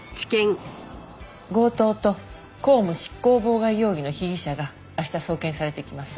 強盗と公務執行妨害容疑の被疑者が明日送検されてきます。